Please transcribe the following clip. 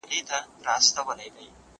زه انځورونه نه رسم کوم!